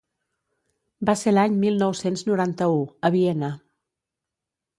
Va ser l'any mil nou-cents noranta-u, a Viena.